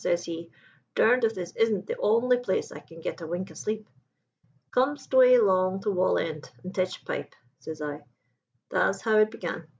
says he, 'durned if this isn' the awnly place I can get a wink o' sleep!' 'Come'st way long to Wall end and tetch pipe,' says I. Tha's how it began.